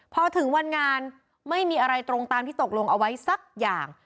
พอถึงวันงานไม่มีอะไรตรงตามที่ตกลงเอาไว้สักอย่าง